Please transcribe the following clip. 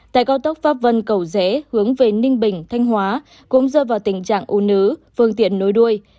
tại cao tốc pháp vân cầu dễ hướng về ninh bình thanh hóa cũng dơ vào tình trạng u nứ vương tiện nối đuôi